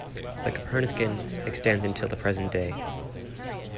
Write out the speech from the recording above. The Copernican extends until the present day.